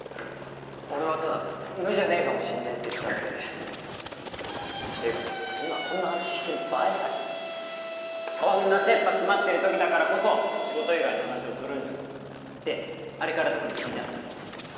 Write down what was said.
俺はただ「無じゃねえかもしんねえ」って言っただけでていうか今こんな話してる場合かよこんなせっぱ詰まってる時だからこそ仕事以外の話をするんじゃんであれから特に進展あった？